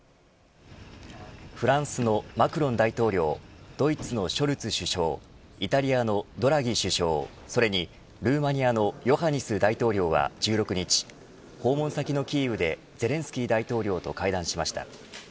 フランスのマクロン大統領ドイツのショルツ首相イタリアのドラギ首相、それにルーマニアのヨハニス大統領は１６日訪問先のキーウでゼレンスキー大統領と会談しました。